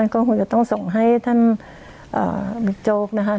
ก็คงจะต้องส่งให้ท่านเอ่อมิกโจ๊กนะฮะครับ